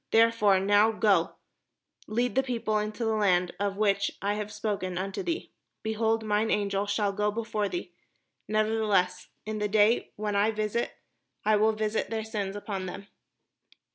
Therefore now go, lead the people unto the place of which I have spoken unto thee: behold, mine Angel shall go before thee; nevertheless in the day when I visit I will visit their sin upon them."